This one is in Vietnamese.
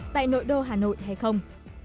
tại nội đô hà nội hay không